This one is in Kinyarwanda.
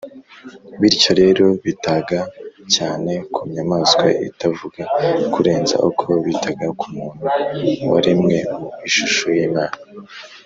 bityo rero bitaga cyane ku nyamaswa itavuga kurenza uko bitaga ku muntu waremwe mu ishusho y’imana